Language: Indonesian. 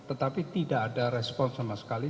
tetapi tidak ada respon sama sekali